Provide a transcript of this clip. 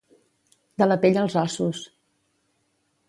De la pell als ossos.